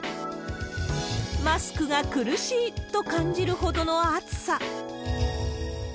マスクが苦しいと感じるほどの暑さ。